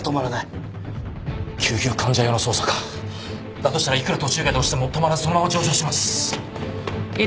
だとしたらいくら途中階で押しても止まらずそのまま上昇します。